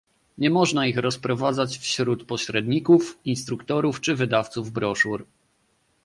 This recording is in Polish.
Nie można ich rozprowadzać wśród pośredników, instruktorów czy wydawców broszur